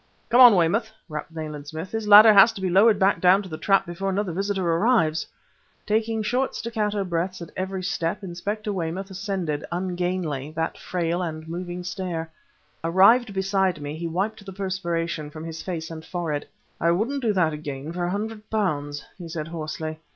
"Come on, Weymouth!" rapped Nayland Smith. "This ladder has to be lowered back down the trap before another visitor arrives!" Taking short, staccato breaths at every step, Inspector Weymouth ascended, ungainly, that frail and moving stair. Arrived beside me, he wiped the perspiration from his face and forehead. "I wouldn't do it again for a hundred pounds!" he said hoarsely.